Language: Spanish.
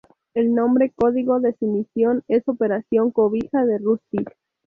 El nombre código de su misión es Operación cobija de Rusty.